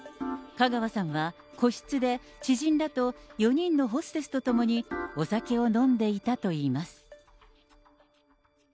香川さんは個室で、知人らと４人のホステスと共にお酒を飲んでいたといいます。